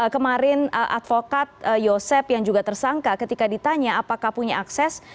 kemarin advokat yosep yang juga tersangka ketika ditanya apakah punya akses